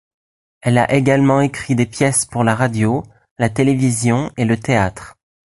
Elle a également écrit des pièces pour la radio, la télévision et le théâtre.